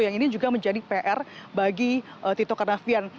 yang ini juga menjadi pr bagi tito karnavian